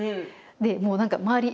でもう何か周り